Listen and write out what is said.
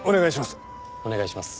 お願いします。